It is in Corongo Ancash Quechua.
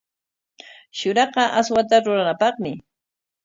Shuraqa aswata ruranapaqmi.